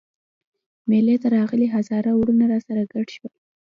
مېلې ته راغلي هزاره وروڼه راسره ګډ شول.